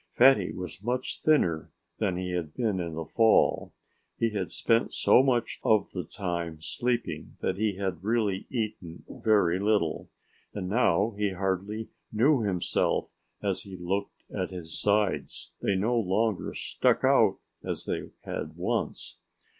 Fatty was much thinner than he had been in the fall. He had spent so much of the time sleeping that he had really eaten very little. And now he hardly knew himself as he looked at his sides. They no longer stuck out as they had once.